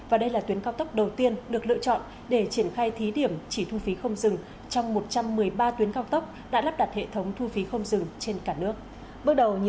a còng truyền hình công an